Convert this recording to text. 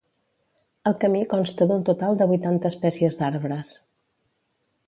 El camí consta d'un total de vuitanta espècies d'arbres.